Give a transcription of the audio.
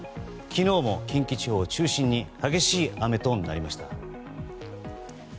昨日も近畿地方を中心に激しい雨となりました。